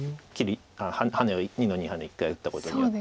ハネを２の二にハネを一回打ったことによって。